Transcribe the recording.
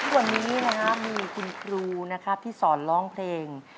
วันนี้นะครับมีคุณครูนะครับที่สอนร้องเพลง